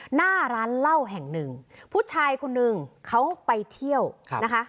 หน้าร้านเหล้าแห่งหนึ่งผู้ชายคนนึงเขาไปเที่ยวนะคะ